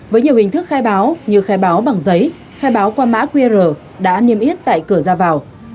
với nhiều hình thức khai báo như khai báo bằng giấy khai báo qua mã qr đã niêm yết tại cửa ra vào